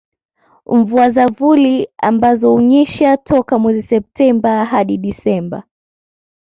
Mvua za vuli ambazo hunyesha toka mwezi Septemba hadi Desemba